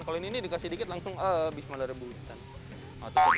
kalau ini dikasih sedikit langsung bismillahirrahmanirrahim